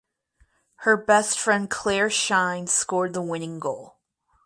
Her best friend Clare Shine scored the winning goal.